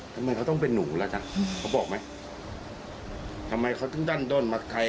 ทำไมเขาต้องเป็นหนูแล้วจ้ะเขาบอกไหมทำไมเขาต้องด้านโดนมาใคร